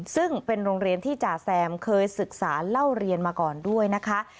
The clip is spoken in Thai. ซึ่งเป็นโรงเรียนที่จ่าแซมเคยศึกษาเล่าเรียนมาก่อนด้วยนะคะ